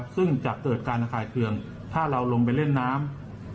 ซึ่งจะเกิดการระคายเคืองถ้าเราลงไปเล่นน้ำ